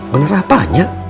bener apaan ya